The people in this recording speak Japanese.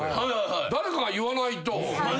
誰かが言わないと。